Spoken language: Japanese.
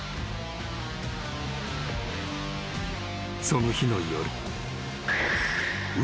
［その日の夜］